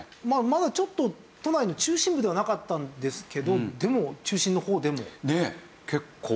まだちょっと都内の中心部ではなかったんですけどでも中心の方でも。